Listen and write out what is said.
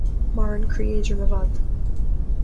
Maireann croí éadrom i bhfad